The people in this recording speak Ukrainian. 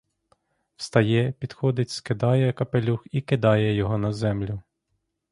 Встає, підходить, скидає капелюх і кидає його на землю.